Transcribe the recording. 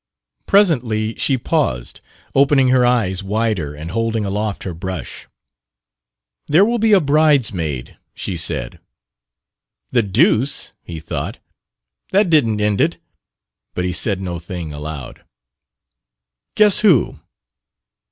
Presently she paused, opening her eyes wider and holding aloft her brush. "There will be a bride's maid," she said. "The deuce!" he thought. "That didn't end it!" But he said no thing aloud. "Guess who!"